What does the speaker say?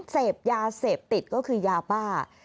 เสพยาเสพติดก็คือยาบ้า